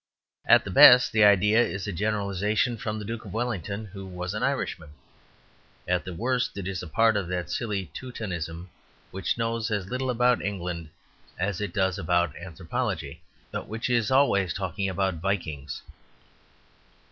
At the best, the idea is a generalization from the Duke of Wellington who was an Irishman. At the worst, it is a part of that silly Teutonism which knows as little about England as it does about anthropology, but which is always talking about Vikings.